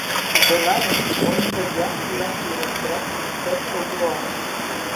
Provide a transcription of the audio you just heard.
The Lions won the draft lottery and selected first overall.